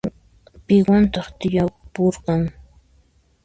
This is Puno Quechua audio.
Piwantaq tiyapurqan?